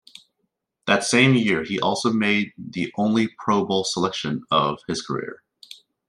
That same year, he also made the only Pro Bowl selection of his career.